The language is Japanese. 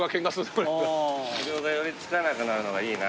不良が寄り付かなくなるのがいいな。